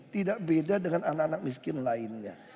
tidak beda dengan anak anak miskin lainnya